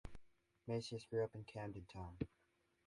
Mesias grew up in Camden Town.